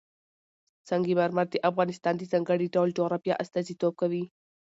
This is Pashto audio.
سنگ مرمر د افغانستان د ځانګړي ډول جغرافیه استازیتوب کوي.